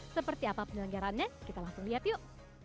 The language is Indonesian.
seperti apa penyelenggarannya kita langsung lihat yuk